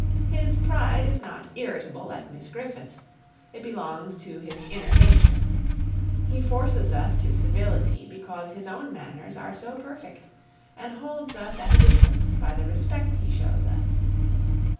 His pride is not irritable like Miss Griffith's, it belongs to his inner nature; he forces us to civility because his own manners are so perfect, and holds us at a distance by the respect he shows us.